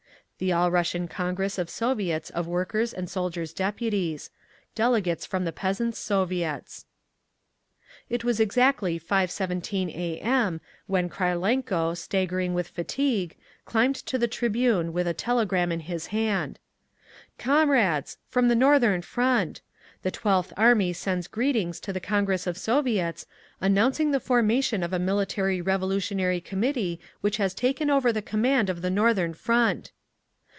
The All Russian Congress of Soviets of Workers' and Soldiers' Deputies. Delegates from the Peasants' Soviets. It was exactly 5:17 A.M. when Krylenko, staggering with fatigue, climbed to the tribune with a telegram in his hand. "Comrades! From the Northern Front. The Twelfth Army sends greetings to the Congress of Soviets, announcing the formation of a Military Revolutionary Committee which has taken over the command of the Northern Front!"